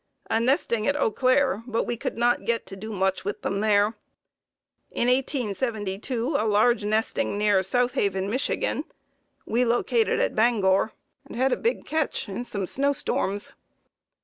A nesting at Eau Claire, but we could not get to do much with them there. In 1872 a large nesting near South Haven, Mich. We located at Bangor and had a big catch in some big snowstorms.